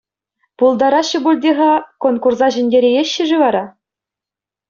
Пултараҫҫӗ пуль те-ха, конкурса ҫӗнтерееҫҫӗ-ши вара?